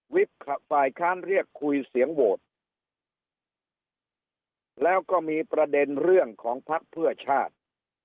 ฝ่ายค้านเรียกคุยเสียงโหวตแล้วก็มีประเด็นเรื่องของภักดิ์เพื่อชาติ